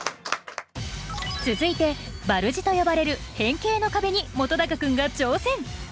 続いてバルジと呼ばれる変形の壁に本君が挑戦！